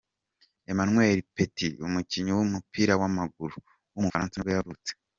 Emmanuel Petit, umukinnyi w’umupira w’amaguru w’umufaransa nibwo yavutse.